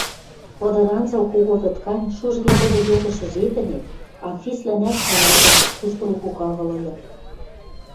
Пыдыранзыл кого вӹд гань шужге веле йогышы жепӹнет Анфислӓнӓт ӹлӓшӹжӹ куштылгок агыл ыльы.